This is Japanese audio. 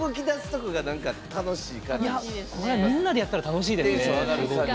これみんなでやったら楽しいですね。